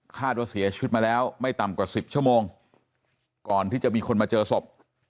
ว่าเสียชีวิตมาแล้วไม่ต่ำกว่าสิบชั่วโมงก่อนที่จะมีคนมาเจอศพ